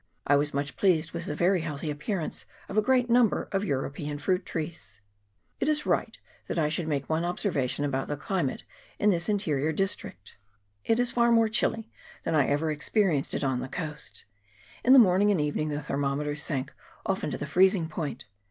I was much pleased with the very healthy appearance of a great number of Euro pean fruit trees. It is right that I should make one observation about the climate in this interior district. It is CHAP. XXVI.] ISLAND OF MOKOIA. 393 far more chilly than I ever experienced it on the coast : in the morning and evening the thermometer sank often to the freezing point.